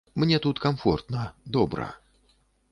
Мне тут камфортна, добра.